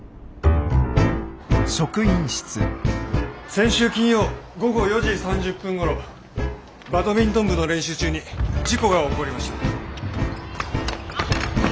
先週金曜午後４時３０分ごろバドミントン部の練習中に事故が起こりました。